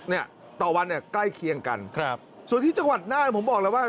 เนี่ยต่อวันเนี่ยใกล้เคียงกันครับส่วนที่จังหวัดน่านผมบอกแล้วว่า